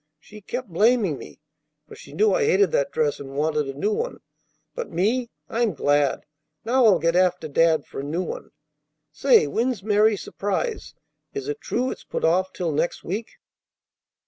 She kept blaming me, for she knew I hated that dress and wanted a new one. But me, I'm glad. Now I'll get after Dad for a new one. Say, when's Mary's surprise? Is it true it's put off till next week?"